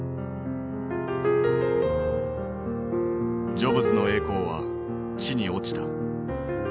ジョブズの栄光は地に落ちた。